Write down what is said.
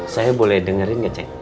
saya boleh dengerin nggak ceng